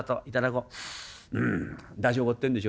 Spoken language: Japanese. うんだしおごってんでしょ。